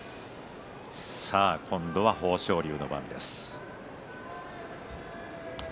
今度は豊昇龍の番です。